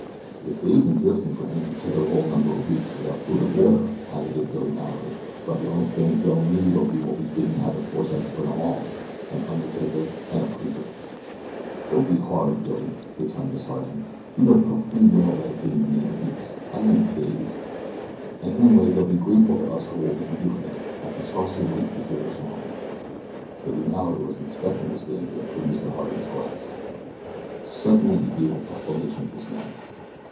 "If they've been drifting for any considerable number of weeks without food or water," hazarded Billy Mallory, "about the only things they'll need'll be what we didn't have the foresight to bring along an undertaker and a preacher." "Don't be horrid, Billy," returned Miss Harding. "You know perfectly well that I didn't mean weeks I meant days; and anyway they'll be grateful to us for what we can do for them. I can scarcely wait to hear their story." Billy Mallory was inspecting the stranger through Mr. Harding's glass. Suddenly he gave an exclamation of dismay.